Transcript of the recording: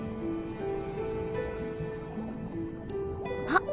あ！